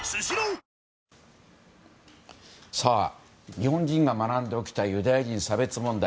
日本人が学んでおきたいユダヤ人差別問題。